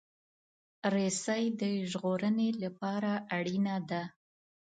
رسۍ د ژغورنې لپاره اړینه ده.